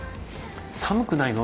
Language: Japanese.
「寒くないの？」